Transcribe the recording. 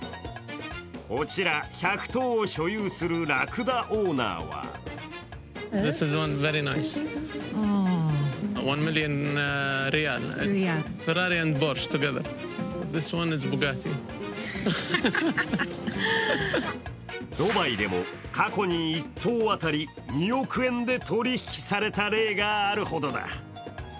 こちら１００頭を所有するラクダオーナーはドバイでも過去に１頭当たり２億円で取引された例があるほどだ